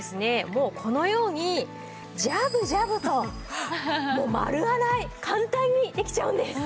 もうこのようにジャブジャブともう丸洗い簡単にできちゃうんです。